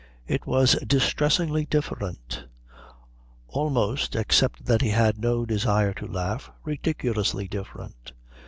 It was distressingly different. Almost, except that he had no desire to laugh, ridiculously different.